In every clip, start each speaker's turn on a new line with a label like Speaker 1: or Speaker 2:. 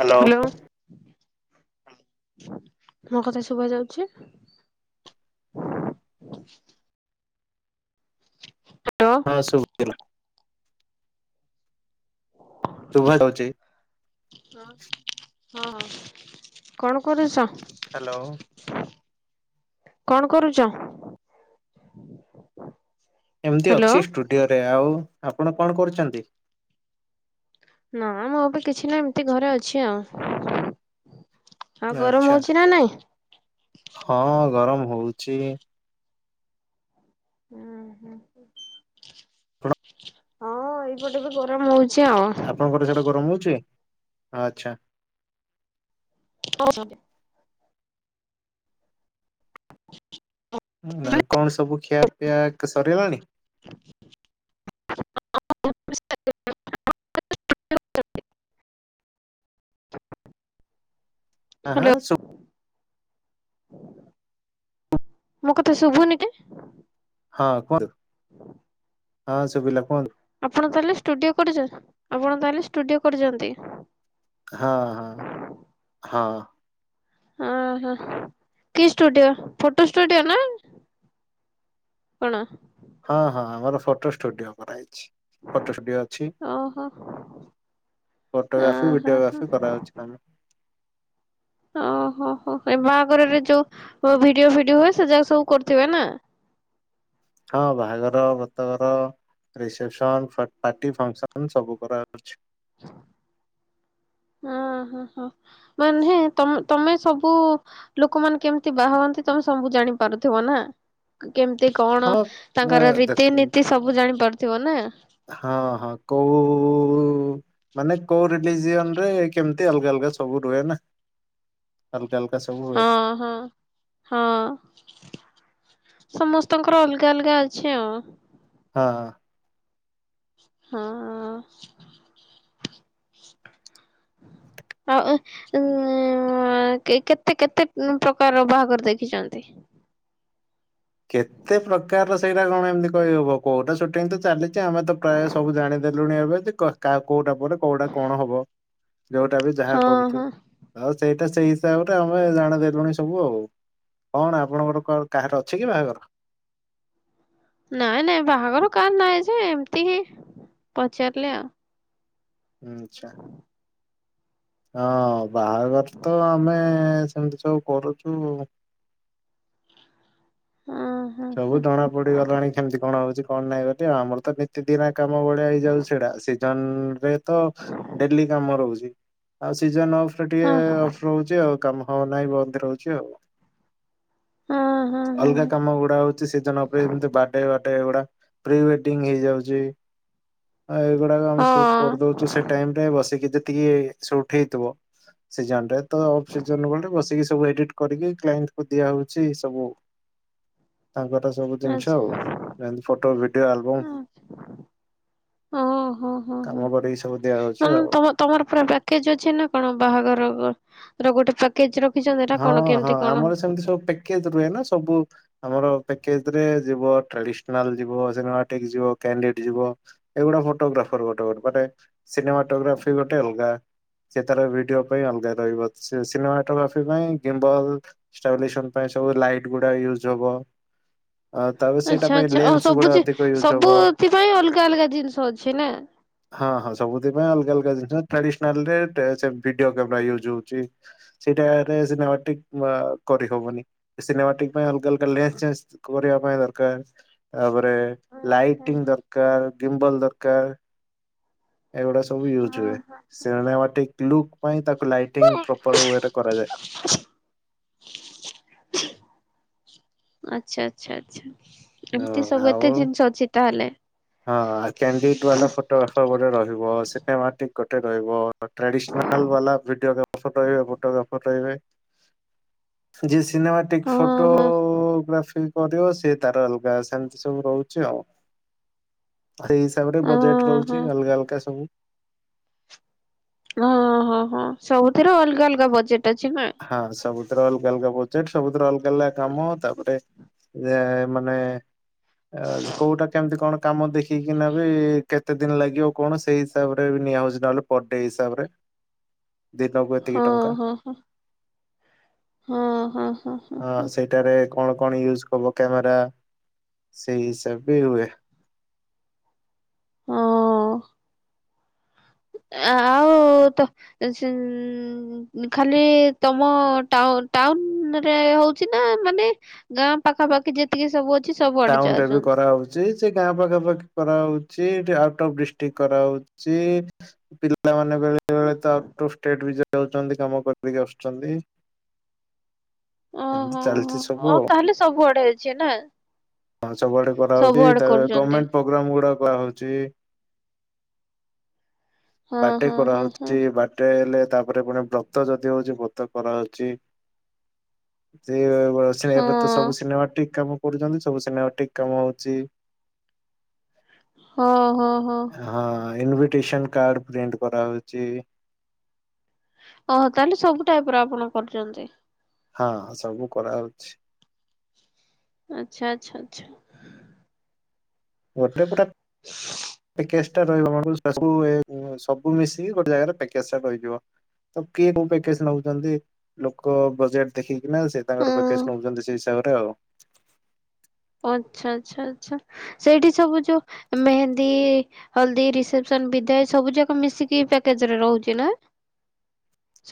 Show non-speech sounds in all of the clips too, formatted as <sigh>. Speaker 1: Hello.
Speaker 2: Hello. ମୋ କଥା ଶୁଭା ଯାଉଛି। <inaudible> ହାଲୋ।
Speaker 1: ହଁ ଶୁଭିଲା ଶୁଭା ଯାଉଚି।
Speaker 2: ହଁ କଣ କରୁଚ?
Speaker 1: ହ୍ୟାଲୋ।
Speaker 2: କଣ କରୁଚ?
Speaker 1: ଏମିତି ଅଛି ଷ୍ଟୁଡିଓ ରେ ଆଉ। ଆପଣ କଣ କରୁଛନ୍ତି?
Speaker 2: ନା ମୁଁ ବି କିଛି ନାଇଁ ଏମିତି ଘରେ ଅଛି ଆଉ। ଆଉ ଗରମ
Speaker 1: ଆଚ୍ଛା
Speaker 2: ହଉଛି ନା ନାଇଁ?
Speaker 1: ହଁ ଗରମ ହଉ। ଚି
Speaker 2: ଉହୁଁ
Speaker 1: ଆପଣ
Speaker 2: ହଁ ଏଇ ପଟେ ବି ଗରମ ହଉ।
Speaker 1: ଆପଣଙ୍କର ସେଇଆଡ଼େ ଗରମ ହଉଛି? ଆଛା।
Speaker 2: <unintelligible> <inaudible>
Speaker 1: ଆଉ କଣ ସବୁ ଖିଆ ପିଆ ସରିଗଲାଣି।
Speaker 2: <unintelligible> <unintelligible>
Speaker 1: ଆଁ ହା
Speaker 2: ହ୍ୟାଲୋ
Speaker 1: ସୁବୁ
Speaker 2: ମୋ କଥା ଶୁଭୁନି କି?
Speaker 1: ହଁ କୁହନ୍ତୁ।
Speaker 2: <inaudible>
Speaker 1: ହଁ ଶୁଭିଲା କୁହନ୍ତୁ।
Speaker 2: ଆପଣ ତାହାଲେ ଷ୍ଟୁଡିୟ କରି। ଆପଣ ତାହାଲେ ଷ୍ଟୁଡିୟ କରିଛନ୍ତି।
Speaker 1: ହଁ ହଁ ହଁ।
Speaker 2: ଓହଃ କି ଷ୍ଟୁଡିୟ ଫଟୋ ଷ୍ଟୁଡିୟ ନାଁ କଣ?
Speaker 1: ହଁ ହଁ ଆମର ଫୋଟୋ ଷ୍ଟୁଡିଓ ମାରା ହେଇ। ଫଟୋଡିଓ ଅଛି
Speaker 2: ଓହୋ।
Speaker 1: ଫଟୋଗ୍ରାଫି
Speaker 2: ଓହୋ ହୋ।
Speaker 1: ଭିଡିଓଗ୍ରାଫି କରାଉଛି ଆମେ
Speaker 2: ଓହୋ ହୋ ଏ ବାହାଘରରେ ଯୋଉ ଭିଡିଓ ଫିଡି ହୁଏ ସେ ଯା ସବୁ କରୁଥିବେ ନା।
Speaker 1: ହଁ ବାହାଘର ଭତଘର ରିସେପସନ ପାର୍ଟି ଫଙ୍କସନ ସବୁ କର ଅଛି।
Speaker 2: ହଁ ହଁ ହଁ। ମାନେଁ ତମ ତମେ ସବୁ ଲୋକମାନୋନ କେମିତି ବା ହନ୍ତି ତମେ ସବୁ ଜାଣିପାରୁଥିବ ନା କେମିତି
Speaker 1: ହଁ
Speaker 2: କଣ
Speaker 1: ଅ,
Speaker 2: ତାଙ୍କର
Speaker 1: ଦେଖ
Speaker 2: ରୀତିନୀତି ସବୁ ଜାଣିପାରୁ ଥିବ ନା
Speaker 1: ହଁ ହଁ କୋଉ ମାନେ କୋଉ ରିଲିଜିନ ରେ କେମିତି ଅଲଗା ଅଲଗା ସବୁ ରୁହେ ନା ଅଲଗା ଅଲଗା ସବୁ ହୁଏ
Speaker 2: ହଁ ହଁ ହଁ। ସମସ୍ତଙ୍କର ଅଲଗା ଅଲଗା ଅଛି ଆଉ।
Speaker 1: ହଁ ହଁ।
Speaker 2: ହଁ। ଆଉ ଉ କେତେ କେତେ ପ୍ରକାର ବାହାଘର ଦେଖିଛନ୍ତି।
Speaker 1: କେତେ ପ୍ରକାରର ସେଇଟା କଣ ଏମିତି କହିହବ କୋଉଟା ସୁଟିଂ ତ ଚାଲିଛି ଆମେ ତ ପ୍ରାୟ ସବୁ ଜାଣିଦେଲୁଣି ଏବେ କ କୋଉଟା ବୋଟେ କୋଉଟା କଣ ହବ? ଯୋଉଟା ବି ଯାହା
Speaker 2: ହଁ
Speaker 1: କରୁଛୁ
Speaker 2: ହଁ
Speaker 1: ଆଉ ସେଇ ଟା ସେଇ ହିସାବରେ ଆମେ ଜାଦେଲୁଣି ସବୁ ଆଉ କଣ ଆପଣଙ୍କର କାହାର ଅ ଅଛି କି ବାହାଘର।
Speaker 2: ନାଇଁ ନାଇଁ ବାହାଘର କାହାର ନହିଁ ଯେ ଏମିତି ହିଁ ପଚାରିଲେ ଆଉ।
Speaker 1: ହୁଁ ଆଛା। ହଁ ବାହାଘର ତ ଆମେ ସେମିତି ସବୁ କରୁଛୁ।
Speaker 2: ଆଉ ହଁ
Speaker 1: ସବୁ
Speaker 2: ହଁ
Speaker 1: ଜଣା ପଡିଗଲାଣି କେମିତି କଣ ହଉଛି। କଣ ନାାଇଁ ବୋଲି ଆମର ତ ନିତି ଦିନ କାମ ବଳିଆ ହେଇଯାଉଛି ସେଇଟା ସିଜନ ରେ ତ ଡେଲି କାମ ରହୁଛି। ଆଉ ସିଜନ ଅଫ ରେ ଟିକେ
Speaker 2: ହଁ
Speaker 1: ଅଫ୍ ରହୁଛି ଆଉ କାମ। ହଁ ନାଇଁ ବନ୍ଦ ରହୁଛି ଆଉ।
Speaker 2: ହଁ ହଁ ହଁ ହ।
Speaker 1: ଗୁା ହଉଛିିଜନ ଉପରେମତି ବାଡେଟେ ଏଗୁଡା ପ୍ରି ୱେଡିଂ ହେଇଯାଉଛି। ଏଇଗୁଡାକ ଆମେ ସୁଟ୍
Speaker 2: ହଁ
Speaker 1: କରିଦଉଛୁ ସେ ଟାଇମ ରେ ବସିକି ଠଇଥିବ ସିଜନ ରେ ତ ଅ ସିଜ ବ ବସିକି ସବୁ ଏଡିଟ କରିକି କ୍ଏଣ୍ଟ କ ଦିଆ ହଉଛି ସବୁ। ତାଙ୍କର ସବୁ ଜିନିଷ ଆଉ
Speaker 2: ଆଚ୍ଛା
Speaker 1: ଯେମିତି ଫଟୋ ଭିଡିଓ ଆଲବମ
Speaker 2: ଓ ହୋ ହୋ ହୋ
Speaker 1: କାମ
Speaker 2: ହ
Speaker 1: କରିକି ସବୁ ଦିଆହଉଛି
Speaker 2: ମେ
Speaker 1: ଆଉ।
Speaker 2: ତମର ପୁରା ପ୍ୟାକେଜ ଅଛି ନା କଣ ବାହାଘର ର ଗୋଟେ ପ୍ୟାକେଜ ର
Speaker 1: ହଁ ହଁ ଆମର ସେମିତି ସବୁ ପ୍ୟାକେଜ ରୁହେ ନା ସବୁ ଆମର କେଜରେ ଯ ଟ୍ରାଡିସନାଲ ଯିବ ସିନେମାଟିକ ଯ କ୍ୟାଣ୍ଡିଡ ଯିବ ଏଗୁଡା ଫଟୋଗ୍ରାଫର ଗୋଟେ ଗୋଟେ ମାନେ ସିନେମାଟୋଗ୍ରାଫି ଗୋଟେ ଅଲଗା ସେ ତାର ଭିଡିଓ ପାଇଁ ଅଲଗା ରହିବ ସିନେମାଟୋଗ୍ରା ସେଥିପାଇଁ ଗେବ ସବୁ ଲାଇଟ ଗୁଡା ୟୁଜ ହବ। ଅ ତାପରେ ସେଇଟା
Speaker 2: ଆଚ୍ଛା
Speaker 1: ପାଇଁ
Speaker 2: ଆଚ୍ଛା ଆଉ
Speaker 1: ଲେନ୍ସ
Speaker 2: ସବୁ
Speaker 1: ଗୁଡା ଅଧିକ ୟୁଜ ହବ
Speaker 2: ସବୁଥିପାଇଁ ଅଲଗା ଅଲଗା ଜିନିଷ ଅଛି ନା।
Speaker 1: ଯଦିଟା ଭିଡିଓ କାମେ ୟଜ ହଉଛି ସେଇଟା ଏଜ କରିହବନି ସିନେମାଟ ପାଇଁ ଅଲଗା ଅଲଗା ଲ କରିବା ପାଇଁ ଦରକାର ତାପରେ ଲାଇଟିଂ ଦରକାର ଗିମ୍ବଲ ଦରକାର କାରାର ଏଗୁଡା ସବୁ ୟୁଜ ହୁଏେ ଲୁକ୍ ପାଇଁ ତାକୁ ଲାଇଟିଙ୍ଗ ପ୍ରପର ୱେ ରେ କରାଯାଏ।
Speaker 2: <inaudible> ଆଚ୍ଛା ଆଚ୍ଛା ଆଚ୍ଛା।
Speaker 1: ହ
Speaker 2: ଏମିତି ସବୁ
Speaker 1: ଆଉ
Speaker 2: ଏତେ ଜିନିଷ ଅଛି ତାହେଲେ
Speaker 1: ହଁ ଆଉ କ୍ୟାଣ୍ଡିଡ଼ ବା ଫଟୋଗ୍ରାଫର ରହିବ ସେ କହିକି ଗୋଟେ ରହିବା ବା ଭିଡି୍ରାର ରହିବେ ଫଟୋଗ୍ରାର ରହିବେ ସିନେମାଟିକ୍ ଓ
Speaker 2: ହଁ
Speaker 1: ଓ
Speaker 2: ହଁ
Speaker 1: ଫୋଟୋଗ୍ରାଫିକ କରିବ ସେ ତାର ଅଲଗା ସେମିତି ସବୁ ରହୁଛି ଆଉ। ସେଇ ହିସାବରେ ବଜେଟ
Speaker 2: ହଁ
Speaker 1: ରହୁଛି
Speaker 2: ହଁ
Speaker 1: ଅଲଗା ଅଲଗା ସବୁ
Speaker 2: ଓ ହୋ ହଁ ସବୁଥିର ଅଲଗା ଅଲଗା ବଜେଟ୍ ପାଛିିବା
Speaker 1: ହଁ ଅଲଗା ସବୁଥିର ଅଲଗା ବଜେଟ ସବୁରେ ଅଲଗା ଅଲଗା କାମ ତାପରେ ମାନେ ଅ କୋଉଟା କେମିତି କଣ କାମ ଦେଖିକି ନେବ କେତେ ଦିନ ଲାଗିବ କଣ ସେଇ ହିସାବରେ ନିଆ ହଉଛି ନହେଲେ ପର ଡେ ହିସାବରେ ଦିନକୁ ଏତିକି ଟଙ୍କା
Speaker 2: ହଁ ହଁ ହଁ ହଁ ହଁ।
Speaker 1: ହଁ ସେଇଟାରେ କଣ କଣ ୟୁଜ କବ କ୍ୟାମେରା ସେଇ ହିସାବ ବି ହୁଏ।
Speaker 2: ହଁ ଅ ଆଉ ତ ଖାଲି ତମ ଟାଉନ ରେ ହଉଛି ନା ମାନେ ଗାଁ ପାଖାପାଖି ଯେତିକି ସବୁ ଅ
Speaker 1: ଟାଉନ ରେ ବି କରାହଉଛି ସେ ଗାଁ ପାଖା ପାଖି କରାହଉ ଛି ଏଠି ଆଉଟପ ଡିଷ୍ଟିକ କରାହାଉଛି ପିଲାମାନେ ବେଳେବେଳେ ତ ଆଉ ଷ୍ଟେଟ ବିଜ ଦୋଉଛନ୍ତି କାମ କରିକି ଆସୁଛନ୍ତି। ଏମିତି
Speaker 2: ଓହୋ
Speaker 1: ଚାଲିଛି ସବୁ
Speaker 2: ଅ
Speaker 1: ଆଉ
Speaker 2: ତାହେଲେ ସବୁଆଡେ ଅଛି ନା?
Speaker 1: ହଁ ସବୁଆଡେ କରାହଉଛି
Speaker 2: ସବୁଆଡେ
Speaker 1: ତା
Speaker 2: କରୁଛନ୍ତି।
Speaker 1: ଗଭଣମେଣ୍ଟ ପ୍ରୋଗ୍ରାମ ଗୁଡା କରାହ ଯେ
Speaker 2: ହଁ
Speaker 1: ବାଟେ
Speaker 2: ହଁ ହଁ ହଁ
Speaker 1: କରାହଉଛି ବାଟେ ହେଲେ। ତାପରେ ପୁଣି ବ୍ରତ ଯଦି ହଉଛି ବ୍ରତ କରାହାଉଛି।
Speaker 2: ହଁ
Speaker 1: ଏବେ ତ ସବୁ ସିନେମା ଠିକ କାମ। କରୁଛନ୍ତି ସବୁ ସିନେମାଟିକ କାମ ହଉଛି।
Speaker 2: ହଁ ହଁ ହଁ।
Speaker 1: ଇନଭିଟେସନ କାର୍ଡ ପ୍ରିଣ୍ଟ କରାହଉଛି।
Speaker 2: ଓୋ ତାହେଲେ ସବୁ ଟାଇପ ର ଆପଣ କରିଛନ୍ତି।
Speaker 1: ହଁ ସବୁ କରା ହଉଛି।
Speaker 2: ଆଚ୍ଛା ଆଚ୍ଛା ଆଚ୍ଛା।
Speaker 1: ଗୋଟେ ଗୋଟେକଜ ଟା ରହିବ ଆ ସବୁ ମିଶିକି ଗୋଟେ ଜାଗକେଜା ରହିଯିବ ତ କିଏ କୋଉକେଜ ନଉଛନ୍ତି ଲୋକ ବଜେଟ ଦେଖ। କି ନା ସେ ତାଙ୍କ
Speaker 2: ହଁ।
Speaker 1: ପକେଜ୍ ନେଉଛନ୍ତି ସେ ହିସାବରେ ସେଇଟା ଆଉ।
Speaker 2: ଆଚ୍ଛା ଆଛା ଆଛା ସେଇଠି ସବୁ ଯୋଉ ମେହେନ୍ଦୀ ହଲଦି ରିସେପ୍ସନ ବିଧ ସବୁ ଯାକ ମିଶିକି ପେକେଜ ରହୁଛି ନା।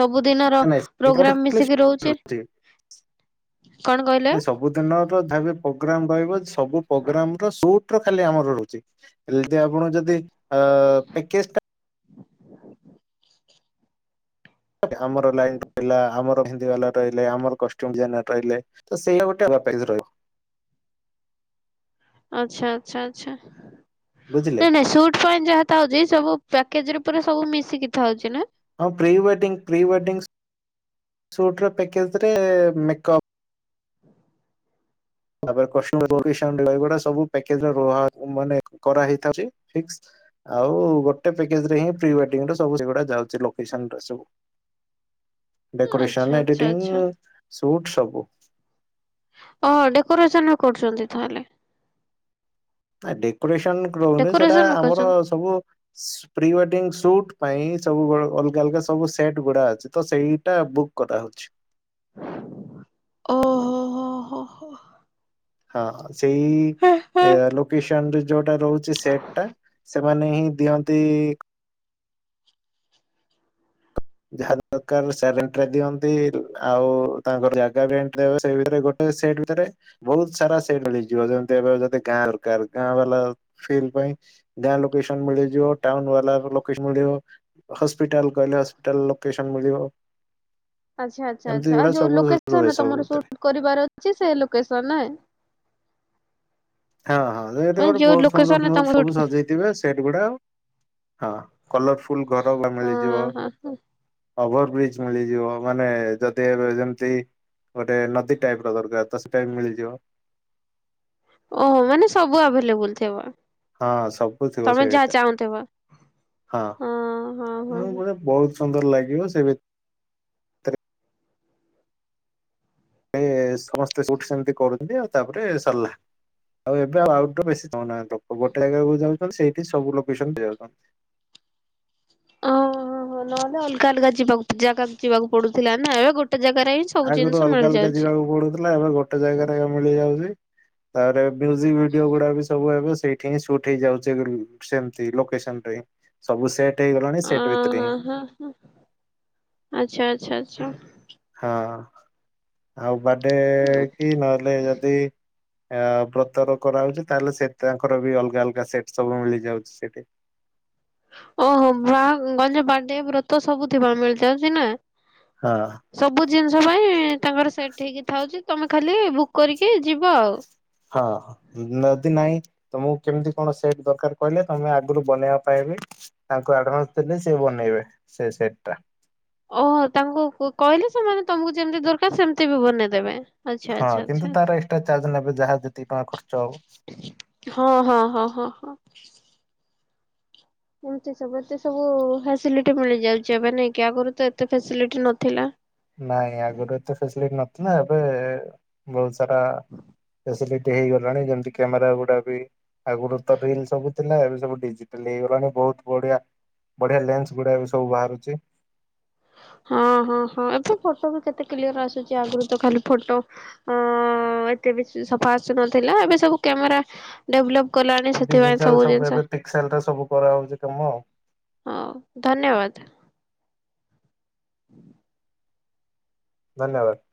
Speaker 2: ସବୁଦିନର
Speaker 1: ନାଇଁ ସେଇଟା ଗୋଟେ
Speaker 2: ପ୍ରୋଗ୍ରାମ ମିଶିକି ରହୁଛି କଣ କହିଲେ?
Speaker 1: ନାଇଁ ସବୁ ଦିନର <unintelligible> ସବୁ ପ୍ରୋଗ୍ରାମ ର ସୁ ଖାଲି ଆମର ରହୁଛି ହେଲେ ଆପଣ ଯଦି ପେକେଜ୍ ତ
Speaker 2: <unintelligible>
Speaker 1: ଆମର ଲାଇନ ରହିଲା ଆମର ହି ବାଲା ରହିଲେ ଆମରଡି ରହିଲେ ତ ସେଇଆ ଗୋଟେ ବପାର ରହିବ।
Speaker 2: ଆଚ୍ଛା ଆଚ୍ଛା ଆଚ୍ଛା।
Speaker 1: ବୁଝିଲେ।
Speaker 2: ନାଇଁ ନାଇଁ ସୁଟ ପାଇଣ୍ଟ ଯାହା ହଉଛି ସବୁ ପ୍ୟାକେଜରେ, ଉପରେ ସବୁ ମିଶିକି ଥାଉଛି ନା
Speaker 1: ହଁ pre wedding pre wedding shoot ର ପ୍ୟାକେଜରେ ମେକପ୍ ତାପରେ କଷ୍ଟ୍ୟୁମରେ <inaudible> ଆଉ ଗୋଟେ ପ୍ୟାକେଜରେ ହିଁ ଫ୍ରି ୱେଡିଙ୍ଗ ର ସବୁ ସେଗୁଡା ଯାଉଚି ଲୋକେସନର ସବୁ।
Speaker 2: ଆଚ୍ଛା
Speaker 1: ଡକୋରେସନ୍
Speaker 2: ଆଚ୍ଛା
Speaker 1: ଏଡିଟିଂ,
Speaker 2: ଆଚ୍ଛା
Speaker 1: ରୁଟ୍ ସବୁ।
Speaker 2: ଓ ଡେକୋରେସନ କରୁଛନ୍ତି ତାହେଲେ।
Speaker 1: ଡେକୋରେସନ୍। ସେଟା
Speaker 2: ଡେକୋରେସନ
Speaker 1: ଆମର
Speaker 2: କରୁଛନ୍ତି।
Speaker 1: ସବୁ ପ୍ରି ୱେଡିଙ୍ଗ ସୁଟ୍ ପାଇଁ ସବୁ ଅଲଗା ଅଲଗା ସବୁ ସେଟ ଗୁଡା ଅଛି ତ ସେଇଟା ବୁକ୍ କରାହେଉଛି।
Speaker 2: ଓ ହୋ ହୋ ହୋ ହୋ,
Speaker 1: ହଁ ହଁ, ସେଇ ଲୋକେସନ <unintelligible> ଯୋଉଟା ରହୁଛି ସେଟ ଟା ସେମାନେ ହିଁ ଦିଅନ୍ତି ଯାହା ଦରକାର ସେ ରେଣ୍ଟ୍ ଦିଅନ୍ତି ଆଉ ତାଙ୍କର ଜାଗା ବି ସେ ଭିତରେ ଗୋଟେ ସେଟ ଭିତରେ ବହୁତ ସାରା ସେଟ ମିଳିଯିବ ଯେମତି ଏବେ ଯଦି ଗାଁ ଦର ଗାଁ ବାଲା ପାଇଁ ଗାଁ ଲୋକେସନ ମିଳିଯିବ ଟାଉନ ବାଲା ମିଳିବ ହପିଟାଲ କହିଲେ ହସ ହୋଟେଲ ଲୋକେସନ୍ ମିଳିବ।
Speaker 2: ଆଛା ଆଚ୍ଛା
Speaker 1: ଏମିତି
Speaker 2: ଆଛା
Speaker 1: ଗୁଡା
Speaker 2: ଆଉ ଯୋଉ
Speaker 1: ସବୁ ରୁହେ
Speaker 2: ଲୋକେସନ
Speaker 1: ସବୁ
Speaker 2: ତମର
Speaker 1: ଭିତରେ।
Speaker 2: ସୁଟ କରିବାର ଅଛି ସେ ଲୋକସନ ନାଇ,
Speaker 1: ହଁ ଯେହେତୁ
Speaker 2: ମାନେ
Speaker 1: ଗୋଟେ
Speaker 2: ଯୋଉ
Speaker 1: ବହୁତ ସୂନ୍ଦର
Speaker 2: ଲୋକେସନରେ ତମେ
Speaker 1: ସୁନ୍ଦର
Speaker 2: ସୁଟ
Speaker 1: ସବୁ ସଜେଇଥିବେ ସେଟ ଗୁଡା ହଁ କଲରଫୁଲ ଘର ଭଡା
Speaker 2: ହଁ
Speaker 1: ମି଼ଳିଯିବ।
Speaker 2: ହଁ ହଁ
Speaker 1: ଓଭର ବ୍ରିଜ ମିଳିଯିବ ମାନେ ଯଦି ଯେମତି ଗୋଟେ ନଦୀ ଟାଇପ ର ଦରକାର ତ ସେଟା ବି ମିଳିଯିବ।
Speaker 2: ଓହୋ ମାନେ ସବୁ ଆଭେଲେବୁଲ ଥିବ।
Speaker 1: ହଁ ସବୁ ଥିବ
Speaker 2: ତମେ
Speaker 1: ସେଇ
Speaker 2: ଯାହା
Speaker 1: ଭିତରେ
Speaker 2: ଚାହୁଁଥିବ।
Speaker 1: ହଁ
Speaker 2: ହଁ ହଁ
Speaker 1: ମୁ ଗୋଟେ ବହୁତ। ସୁନ୍ଦର ଲାଗିବ ସେ ବି ସମସ୍ତେ ଶୁଟସେମିତି କରୁଛନ୍ତି ଆଉ ତାପରେ ସରିଲା ଆଉ ଏବେ ଆଉ ଆଉଟଡୋର ବେଶୀ ଯାଉ ନାହାଁନ୍ତି ଲୋକ ଗୋଟେ ଜାଗାକୁ ଯାଉଛନ୍ତି ସେଇଠି ସବୁ ଲୋକେସନ ଦିଆଯାଉଛି ତାଙ୍କୁ।
Speaker 2: ଓହୋ ହୋ ନହେଲେ ଅଲଗା ଅଲଗା ଯିବାକୁ ଜାଗାକୁ ଯିବାକୁ ପଡୁଥିଲା ନା ଏବେ ଗୋଟେ, ଜାଗାରେ ହିଁ ସବୁ
Speaker 1: ଆଗରୁ
Speaker 2: ଜିନିଷ
Speaker 1: ଅଲଗା ଅଲଗା
Speaker 2: ମିଳିଯାଉଛି।
Speaker 1: ଯିବାକୁ ପଡୁଥିଲା ଏବେ ଗୋଟେ ଜାଗାରେ ମିଳିଯାଉଛି। ତାପରେ, ମ୍ୟୁଜିକ ଭିଡିଓ ଗୁଡା ବି ସବୁ ଏବେ ସେଇଠି ହିଁ ସୁଟ୍ ହେଇଯାଉଚି ସେମତି ଲୋକେସନ ରେ ସବୁ ସେଟ
Speaker 2: ଓ ହ ହ ହ ଆଚ୍ଛା ଆଚ୍ଛା। ଆଛା,
Speaker 1: ହଁ ଆଉ, ବାର୍ଥଡେ କି ନହେଲେ ଯଦି, ଆ ବ୍ରତର କରାହଉଚି ତାହେଲେ ସେ ତାଙ୍କର ବି ଅଲଗା ଅଲଗା ସେଟ ସବୁ ମିଳିଯାଉଚି ସେଠି।
Speaker 2: ଓହୋ ବାହା ଗଞ୍ଜ ବାଡେ ବ୍ରତ ସବୁ ଥିବା ମିଳି <unintelligible> ନା।
Speaker 1: ହଁ।
Speaker 2: ସବୁ ଜିନିଷ ପାଇଁ ତାଙ୍କର ସେ ଠିକ ଥାଉଚି ତମେ ଖାଲି ବୁକ୍ କରିକି ଯିବ ଆଉ।
Speaker 1: ହଁ ନଦି ନାହିଁ ତମକୁ କେମିତି କଣ ସେଟ୍ ଦରକାର କହିଲେ ତମେ ଆଗରୁ ବନେଇବା ପାଇଁ ବି ତାଙ୍କୁ ଆଡଭାନ୍ସ ଦେଲେ ସେ ବନେଇବେ ସେ ସେଟ୍ ଟା
Speaker 2: ଓହୋ ତାଙ୍କୁ କହିଲେ ସେମାନେ ତମକୁ ଯେମିତି ଦରକାର ସେମତି ବି ବନେଇ ଦେବେ। ଆଚ୍ଛା
Speaker 1: ହଁ
Speaker 2: ଆଛା
Speaker 1: କିନ୍ତୁ
Speaker 2: ଆଛା
Speaker 1: ତାର ଏକ୍ସଟ୍ରା ଚାର୍ଜ ନେବେ ଯାହା ଯେତିକି ଟଙ୍କା ଖର୍ଚ୍ଚ ହବ।
Speaker 2: ଆଛା ହଁ ହଁ ହଁ ହଁ ହଁ। ଏମତି ସବୁ ଏତେ ସବୁ ଫାସିଲିଟି ମିଳିଯାଉଚି ଏବେ ନାଇକ ଆଗରୁ ତ ଏତେ ଫସିଲିଟି ନଥିଲା।
Speaker 1: ନାଇ ଆଗରୁରେ ତ ଫେସିଲଟି ନ ନା ଏବେ ବୋହୁତ ସାରା ଫାସିଲିଟ ହେଇଗଲାଣି ଯେମିତି କ୍ୟାମେରା ଗୁଡା ବି ଆଗରୁ ତ ରିଲ ସବୁ ଥିଲା ଏବେ ସବୁ ଡିଜିଟାଲ ହେଇଗଲାଣି ବୋହୁତ ବଢିଆ ବଢିଆ ଲେନ୍ସ ଗୁଡା ବି ସବୁ ବାହାରୁଚି।
Speaker 2: ହଁ ହଁ ହଁ ଏବେ ଫଟୋ ବି କେତେ କ୍ଲିୟର ଆସୁଚି, ଆଗରୁ ତ ଖାଲି ଫଟୋ ଏତେ ବି ସଫା ଆସୁନଥିଲା ଏବେ ସବୁ କ୍ୟାମେରା ଡେଭଲପ କଲାଣି ସେଥିପାଇଁ
Speaker 1: ଡିଜିଟାଲ
Speaker 2: ସବୁ ଜିନିଷ
Speaker 1: ଏବେ ପିକ୍ସେଲ ରେ ସବୁ କରାହଉଛି କାମ ଆଉ।
Speaker 2: <inaudible> ଧନ୍ୟବାଦ। <inaudible>
Speaker 1: ଧନ୍ୟବାଦ। <inaudible>